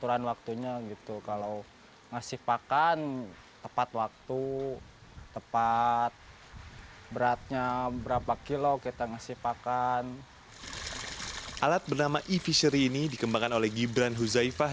alat bernama evisery ini dikembangkan oleh gibran huzaifah